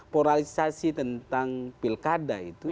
moralisasi tentang pilkada itu